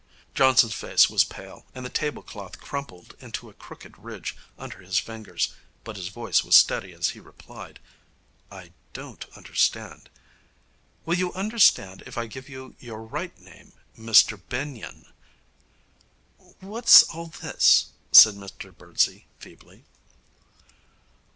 Johnson's face was pale, and the tablecloth crumpled into a crooked ridge under his fingers, but his voice was steady as he replied: 'I don't understand.' 'Will you understand if I give you your right name, Mr Benyon?' 'What's all this?' said Mr Birdsey feebly.